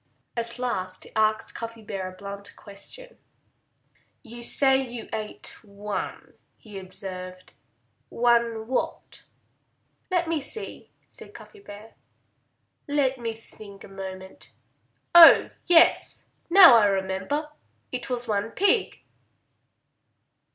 At last he asked Cuffy a blunt question. "You say you ate one," he observed. "One what?" "Let me see," said Cuffy Bear. "Let me think a moment.... Oh, yes! Now I remember. It was one pig!"